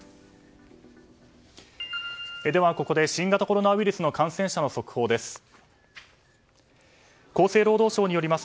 ではここで新型コロナウイルスの感染者の速報です。